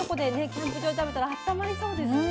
キャンプ場で食べたらあったまりそうですよね。